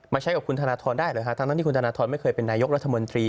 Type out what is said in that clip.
ใช้กับคุณธนทรได้หรือฮะทั้งนั้นที่คุณธนทรไม่เคยเป็นนายกรัฐมนตรี